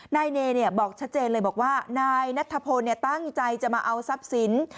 นายเนบอกชัดเจนเลยบอกว่านายนัทธพลตั้งใจจะมาเอาทรัพย์สิน